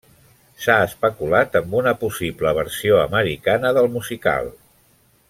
S'ha especulat amb una possible versió americana del musical.